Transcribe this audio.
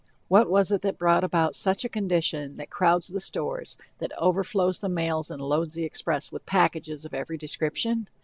"What was it that brought about such a condition that crowds the stores, that overflows the mails, and loads the express with packages of every description?